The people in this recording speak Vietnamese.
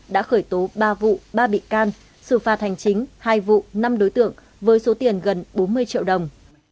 đã khởi tố ba vụ ba bị can xử phạt hành chính hai vụ năm đối tượng với số tiền gần bốn mươi triệu đồng